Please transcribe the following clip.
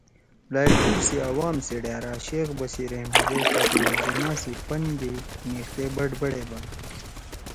لائلپور سی عوام سی ڈھأرا شیخ بشیراحمد ئے فاطمہ جناح سی پن گے نیِختے بڑبڑ ئے بنُو